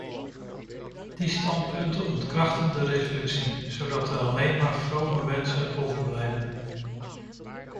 Die standpunten ontkrachten de resolutie zodat er alleen maar vrome wensen overblijven.